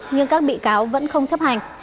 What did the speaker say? nhưng các bị cáo vẫn không chấp hành